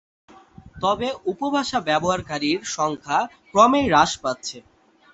তবে উপভাষা ব্যবহারকারীর সংখ্যা ক্রমেই হ্রাস পাচ্ছে।